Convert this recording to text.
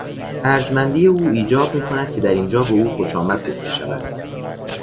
ارجمندی او ایجاب میکند که در اینجا به او خوشآمد گفته شود.